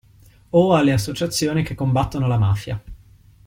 O alle associazioni che combattono la mafia.